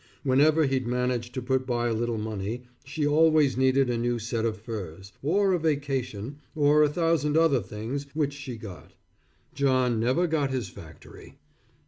Whenever he'd manage to put by a little money, she always needed a new set of furs, or a vacation, or a thousand other things which she got. John never got his factory.